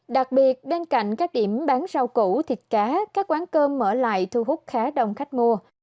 đặc biệt bên cạnh các điểm bán rau củ thịt cá các quán cơm mở lại thu hút khá đông khách mua